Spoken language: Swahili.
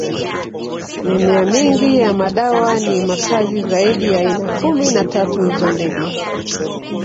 Mimea mingi ya madawa ni makazi zaidi ya aina kumi na tatu za ndege